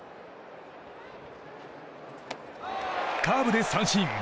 カーブで三振！